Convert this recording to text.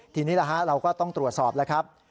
ทีนี้เราก็ต้องตรวจสอบแล้วครับ